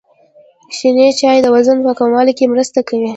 شنې چايي د وزن په کمولو کي مرسته کوي.